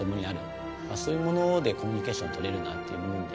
そういうものでコミュニケーション取れるなんていう部分では。